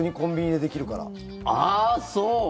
あー、そう。